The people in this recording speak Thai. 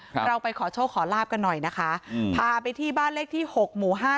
เราไปขอโชคขอลาบกันหน่อยนะคะอืมพาไปที่บ้านเลขที่หกหมู่ห้า